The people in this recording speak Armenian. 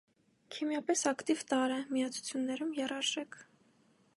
Քիմիապես ակտիվ տարր է, միացություններում՝ եռարժեք։